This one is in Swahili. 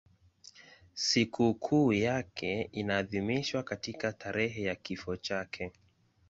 Sikukuu yake inaadhimishwa katika tarehe ya kifo chake.